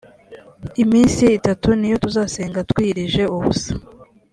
iminsi itanu niyo tuzasenga twiyirije ubusa